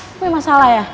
lo punya masalah ya